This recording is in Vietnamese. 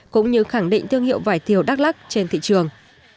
cũng như khẳng định thương hiệu vải thiều đắk lắc trên thị trường